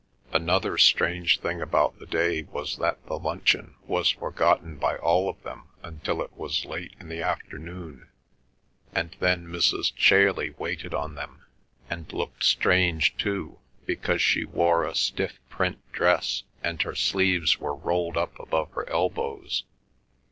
Another strange thing about the day was that the luncheon was forgotten by all of them until it was late in the afternoon, and then Mrs. Chailey waited on them, and looked strange too, because she wore a stiff print dress, and her sleeves were rolled up above her elbows.